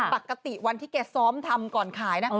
ปกติวันที่แกซ้อมทำก่อนขายนะ